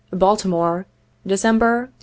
Baltimore, December, 1862.